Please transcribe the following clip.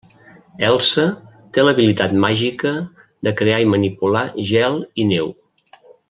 Elsa té l'habilitat màgica de crear i manipular gel i neu.